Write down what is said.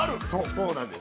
そうなんです。